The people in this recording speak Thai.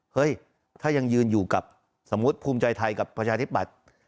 เฮ้ยถ้ายังยืนอยู่กับสมมุติภูมิใจไทยกับประชาธิบัติ